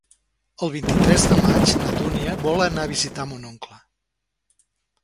El vint-i-tres de maig na Dúnia vol anar a visitar mon oncle.